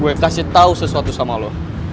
gue kasih tau sesuatu sama lo